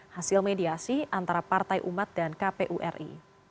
hasil mediasi antara partai umat dan kpu ri